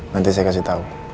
nanti saya kasih tau